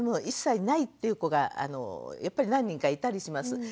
一切ないっていう子がやっぱり何人かいたりします。